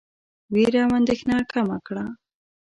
وېره او اندېښنه کمه کړه.